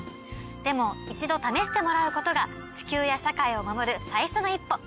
でも一度試してもらうことが地球や社会を守る最初の一歩。